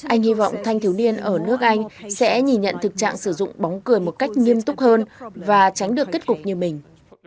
anh hy vọng thanh thiếu niên ở nước anh sẽ nhìn nhận thực trạng sử dụng bóng cười một cách nghiêm túc hơn và tránh được kết cục như mình